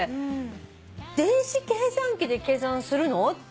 「電子計算機で計算するの？」って思って。